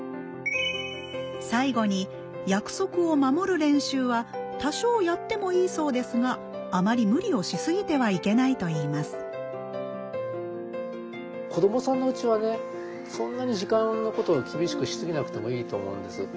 最後に約束を守る練習は多少やってもいいそうですがあまり無理をしすぎてはいけないといいます子どもさんのうちはねそんなに時間のことを厳しくしすぎなくてもいいと思うんです。